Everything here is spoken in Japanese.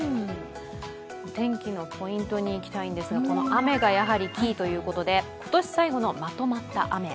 お天気のポイントにいきたいんですが、雨がキーということで今年最後のまとまった雨。